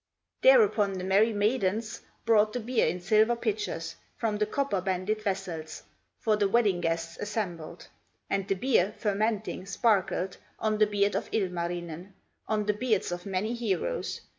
Thereupon the merry maidens Brought the beer in silver pitchers From the copper banded vessels, For the wedding guests assembled; And the beer, fermenting, sparkled On the beard of Ilmarinen, On the beards of many heroes.